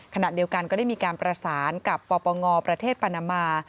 ขณะเดียวกันก็ได้มีการประสานกับปปงประเทศปานามา